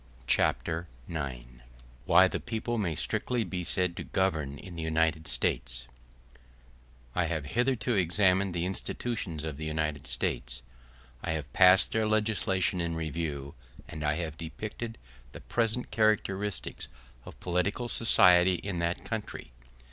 Chapter IX: Why The People May Strictly Be Said To Govern In The United States I have hitherto examined the institutions of the United States; I have passed their legislation in review, and I have depicted the present characteristics of political society in that country.